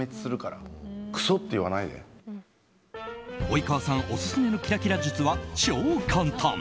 及川さんオススメのキラキラ術は超簡単！